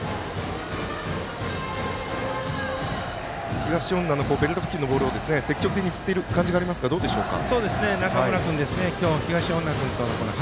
東恩納のベルト付近のボールを積極的に振っている感じがありますが、どうでしょうか。